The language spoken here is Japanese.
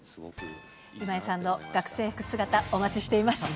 今井さんの学生服姿、お待ちしています。